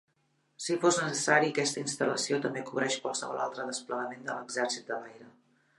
Si fos necessari, aquesta instal·lació també cobreix qualsevol altre desplegament de l'Exèrcit de l'Aire.